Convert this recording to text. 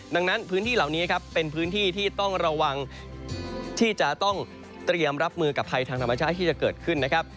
ดังนั้นพื้นที่เหล่านี้ครับเป็นพื้นที่ที่ต้องระวังที่จะต้องเตรียมรับมือกับภัยทางธรรมชาติที่จะเกิดขึ้นนะครับ